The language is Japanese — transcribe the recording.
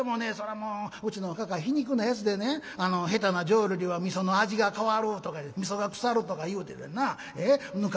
もううちのかか皮肉なやつでね下手な浄瑠璃は味噌の味が変わるとか味噌が腐るとか言うてでんなぬか